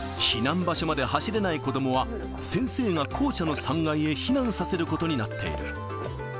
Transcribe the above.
避難場所まで走れない子どもは、先生が校舎の３階へ避難させることになっている。